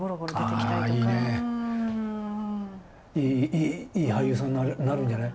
いい俳優さんになるんじゃない？